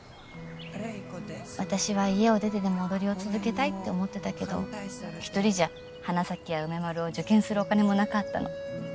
私は家を出てでも踊りを続けたいって思ってたけど一人じゃ花咲や梅丸を受験するお金もなかったの。